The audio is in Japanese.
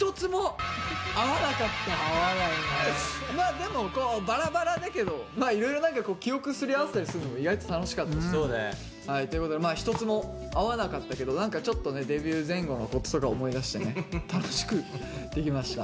でもバラバラだけどいろいろ何か記憶すり合わせたりするの意外と楽しかったし。ということで一つも合わなかったけど何かちょっとねデビュー前後のこととか思い出してね楽しくできました。